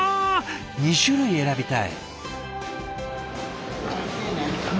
２種類選びたい。